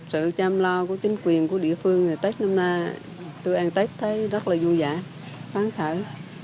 sự chăm lo của chính quyền của địa phương tết năm nay tôi ăn tết thấy rất là vui vẻ phấn khởi